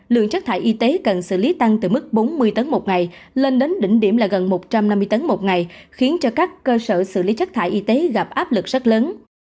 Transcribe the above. lượng chất thải y tế cần xử lý tăng từ mức bốn mươi tấn một ngày lên đến đỉnh điểm là gần một trăm năm mươi tấn một ngày khiến cho các cơ sở xử lý chất thải y tế gặp áp lực rất lớn